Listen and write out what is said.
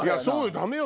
ダメよ